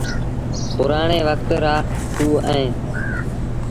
پُرآڻي وکت رآ کوه اهيݩ۔